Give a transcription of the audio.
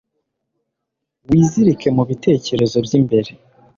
Wizirike mubitekerezo byimbere